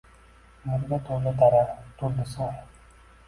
Nurga to’ldi dara, to’ldi soy